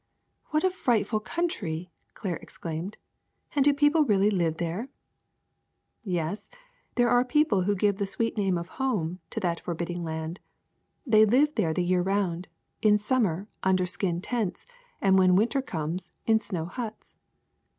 '' ^*What a frightful country!'' Claire exclaimed. And do people really live there?" ^' Yes, there are people who give the sweet name of home to that forbidding land. They live there the year round, in summer under skin tents, and when winter comes in snow huts."